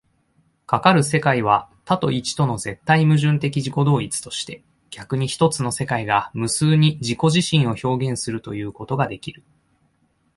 かかる世界は多と一との絶対矛盾的自己同一として、逆に一つの世界が無数に自己自身を表現するということができる。